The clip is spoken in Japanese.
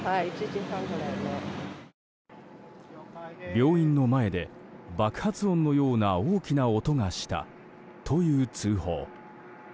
病院の前で爆発音のような大きな音がしたという通報。